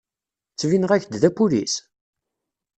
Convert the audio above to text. Ttbineɣ-ak-d d apulis?